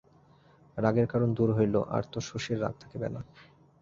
রাগের কারণ দূর হইল, আর তো শশীর রাগ থাকিবে না।